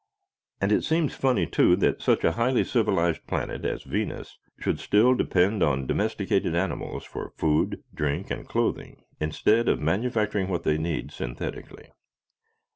And it seems funny, too, that such a highly civilized planet as Venus should still depend on domesticated animals for food, drink and clothing instead of manufacturing what they need synthetically.